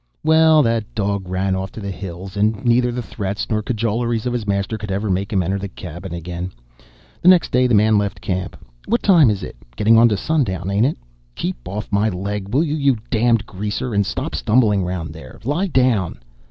"Well, the dog ran off to the hills, and neither the threats nor cajoleries of his master could ever make him enter the cabin again. The next day the man left the camp. What time is it? Getting on to sundown, ain't it? Keep off my leg, will you, you d d Greaser, and stop stumbling round there! Lie down."